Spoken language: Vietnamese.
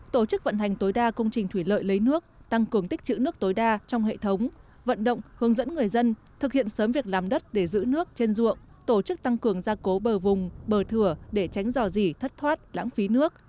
tổ chức vận hành tối đa công trình thủy lợi lấy nước tăng cường tích chữ nước tối đa trong hệ thống vận động hướng dẫn người dân thực hiện sớm việc làm đất để giữ nước trên ruộng tổ chức tăng cường gia cố bờ vùng bờ thửa để tránh dò dỉ thất thoát lãng phí nước